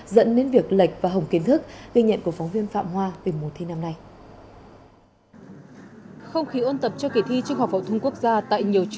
với các môn thì em cũng không biết